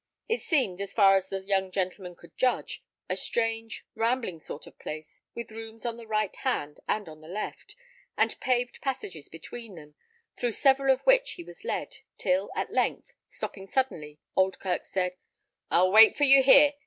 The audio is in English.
It seemed, as far as the young gentleman could judge, a strange, rambling sort of place, with rooms on the right hand and on the left, and paved passages between them, through several of which he was led, till at length, stopping suddenly, Oldkirk said, "I will wait for you here.